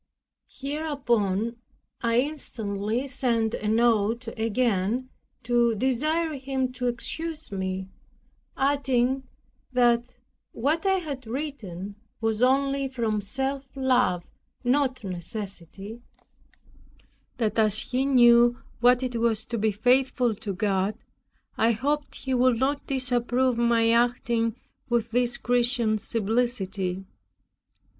Hereupon I instantly sent a note again to desire him to excuse me, adding that what I had written was only from self love, not necessity; that as he knew what it was to be faithful to God, I hoped he would not disapprove my acting with this Christian simplicity.